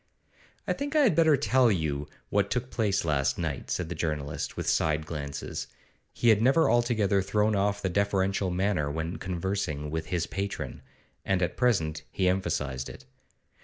'I think I had better tell you what took place last night,' said the journalist, with side glances. He had never altogether thrown off the deferential manner when conversing with his patron, and at present he emphasised it.